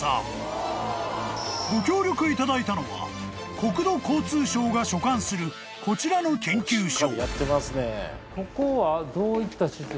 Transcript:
［ご協力いただいたのは国土交通省が所管するこちらの研究所］